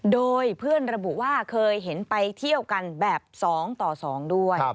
โดยเพื่อนระบุว่าเคยเห็นไปเที่ยวกันแบบ๒ต่อ๒ด้วย